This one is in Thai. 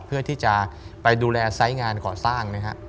เพื่อที่จะไปดูแลไซส์งานก่อสร้างนะฮะ